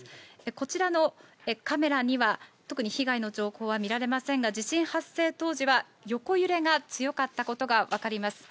こちらのカメラには、特に被害の情報は見られませんが、地震発生当時は横揺れが強かったことが分かります。